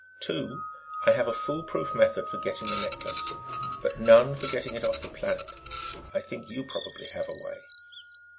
"Two: I have a foolproof method for getting the necklace, but none for getting it off the planet. I think you probably have a way."